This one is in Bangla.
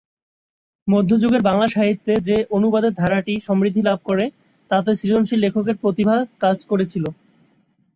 মধ্যযুগের বাংলা সাহিত্যে যে অনুবাদের ধারাটি সমৃদ্ধি লাভ করে তাতে সৃজনশীল লেখকের প্রতিভা কাজ করেছিল।